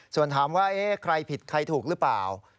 ส่วนถามว่าใครผิดใครถูกหรือเปล่า